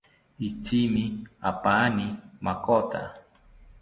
Itzimi apaani makota